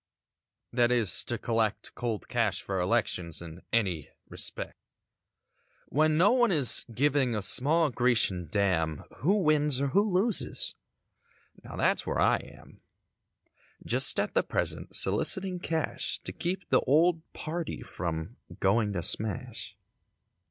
That is to collect Cold cash for elections in any respect ? When no one is giving, a small Grecian dam Who wins or who loses? Now that's where I am Just at the present. Soliciting cash To keep the old party from going to smash.